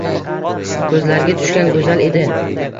Ko‘zlariga tushgan go‘zal edi.